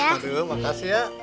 aduh makasih ya